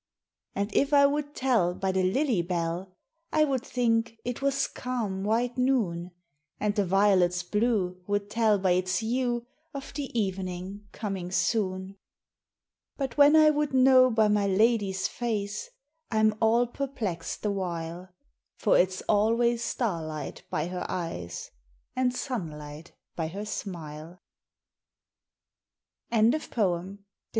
And if I would tell by the lily bell, I would think it was calm, white noon; And the violet's blue would tell by its hue Of the evening coming soon. But when I would know by my lady's face, I am all perplexed the while; For it's always starlight by her eyes, And sunlight by her smile. Trailing Arbutus.